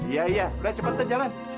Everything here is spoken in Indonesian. iya iya udah cepet aja jalan